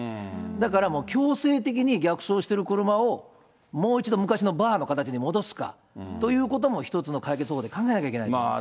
だから強制的に逆走してる車をもう一度昔のバーの形に戻すかということも、一つの解決方法で考えなきゃいけないと思います。